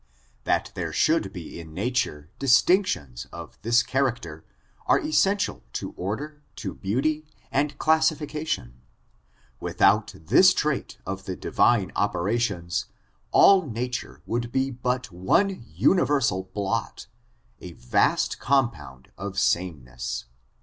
That there should be in nature distinctions of this character is essential to order, to beauty, and classi fication. Without this trait of the Divine operations^ all nature would be but one universal blot, a vast compound of sameness.